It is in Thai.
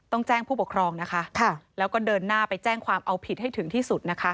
ต้องแจ้งผู้ปกครองนะคะแล้วก็เดินหน้าไปแจ้งความเอาผิดให้ถึงที่สุดนะคะ